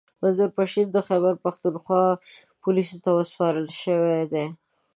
منظور پښتین د خیبرپښتونخوا پوليسو ته سپارل شوی دی